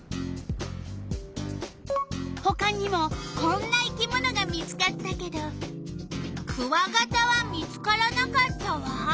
ほかにもこんな生き物が見つかったけどクワガタは見つからなかったわ。